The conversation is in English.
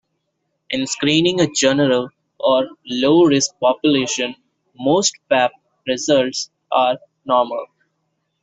In screening a general or low-risk population, most Pap results are normal.